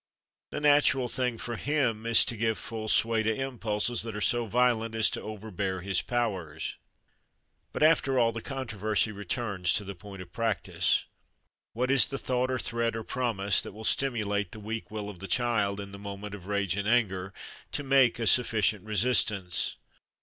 The natural thing for him is to give full sway to impulses that are so violent as to overbear his powers. But, after all, the controversy returns to the point of practice. What is the thought, or threat, or promise that will stimulate the weak will of the child, in the moment of rage and anger, to make a sufficient resistance?